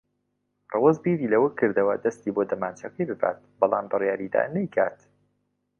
ڕەوەز بیری لەوە کردەوە دەستی بۆ دەمانچەکەی ببات، بەڵام بڕیاری دا نەیکات.